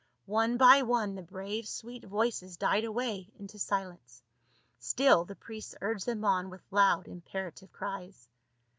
One by one the brave sweet voices died away into silence, still the priests urged them on with loud imperative cries.